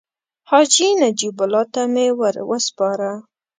حاجي نجیب الله ته مې ورو سپاره.